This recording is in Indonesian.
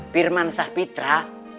firman sah pitra